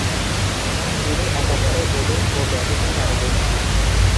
তিনি একাধারে বোলিং ও ব্যাটিংয়ে পারদর্শী।